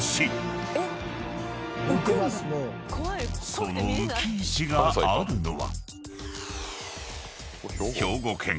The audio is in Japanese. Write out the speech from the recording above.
［その浮石があるのは］